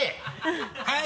はい。